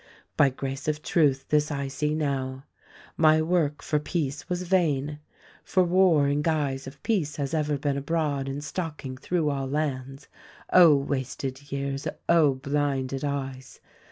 "By grace of Truth this I see now : My work for Peace was vain ; for War in guise of Peace has ever been abroad and stalking through all lands. Oh, wasted years, Oh, blinded eyes